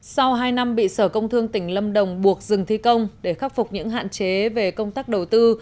sau hai năm bị sở công thương tỉnh lâm đồng buộc dừng thi công để khắc phục những hạn chế về công tác đầu tư